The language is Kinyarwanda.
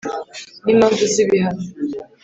n impamvu z ibihano